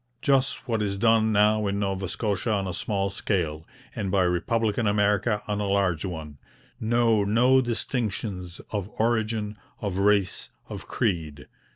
Just what is done now in Nova Scotia on a small scale, and by republican America on a large one: know no distinctions of origin, of race, of creed.